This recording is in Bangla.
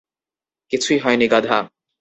কিছুই হয় নি, গাঁধা।